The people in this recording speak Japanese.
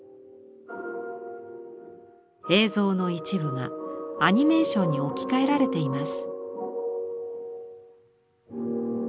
映像の一部がアニメーションに置き換えられています。